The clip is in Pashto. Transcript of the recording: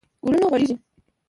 ګلونه غوړیږي